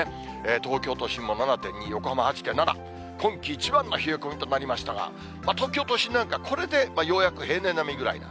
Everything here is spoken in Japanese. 東京都心も７．２、横浜８．７、今季一番の冷え込みとなりましたが、東京都心なんか、これでようやく平年並みぐらい。